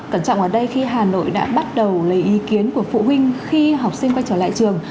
cẩn trọng ở đây khi hà nội đã bắt đầu lấy ý kiến của phụ huynh khi học sinh quay trở lại trường